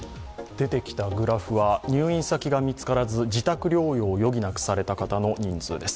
出てきたグラフは入院先が見つからず、自宅療養を余儀なくされた方の人数です。